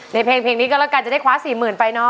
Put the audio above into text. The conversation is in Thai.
ในเพลงนี้ก็แล้วกันจะได้คว้า๔๐๐๐ไปเนาะ